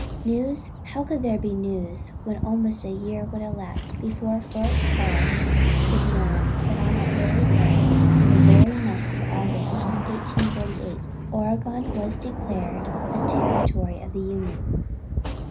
News? How could there be news when almost a year would elapse before Fort Hall would know that on that very day in that very month of August, 1848 Oregon was declared a territory of the Union?